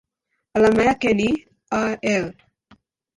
Alama yake ni Al.